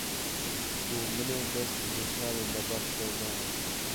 û min ê dest ji karên nebaş berdana.